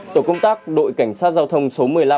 tổ công tác đội cảnh sát giao thông số một mươi năm